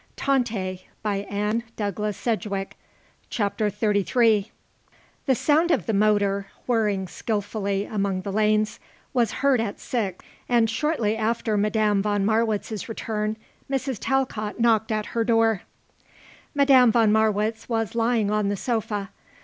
She's all I've got in the world." CHAPTER XXXIII The sound of the motor, whirring skilfully among the lanes, was heard at six, and shortly after Madame von Marwitz's return Mrs. Talcott knocked at her door. Madame von Marwitz was lying on the sofa.